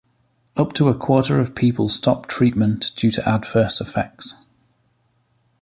Up to a quarter of people stop treatment due to adverse effects.